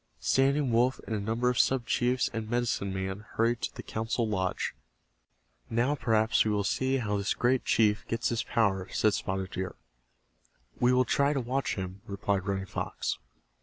Standing Wolf and a number of sub chiefs and medicine men hurried to the council lodge. "Now perhaps we will see how this great chief gets his power," said Spotted Deer. "We will try to watch him," replied Running Fox.